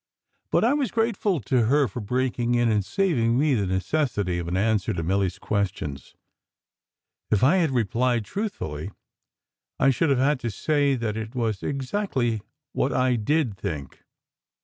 But I was grateful to her for breaking in, and saving me the necessity of an answer to Milly s questions. If I had re plied truthrully, I should have had to say that it was exactly what I did think.